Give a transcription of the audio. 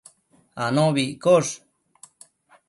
anobi iccosh